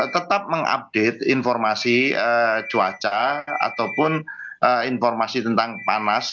tetap mengupdate informasi cuaca ataupun informasi tentang panas